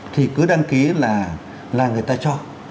thì cứ đăng ký là người ta cho